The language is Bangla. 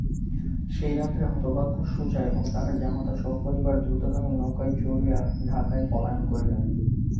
সেই রাত্রেই হতভাগ্য সুজা এবং তাঁহার জামাতা সপরিবার দ্রুতগামী নৌকায় চড়িয়া ঢাকায় পলায়ন করিলেন।